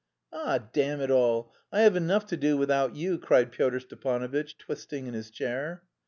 "Ah, damn it all, I have enough to do without you!" cried Pyotr Stepanovitch, twisting in his chair.